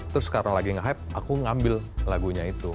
terus karena lagi hype aku ngambil lagunya itu